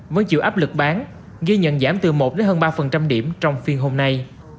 vẫn chịu áp lực bán ghi nhận giảm từ một hơn ba điểm trong phiên hôm nay